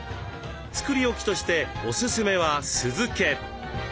作り置きとしておすすめは酢漬け。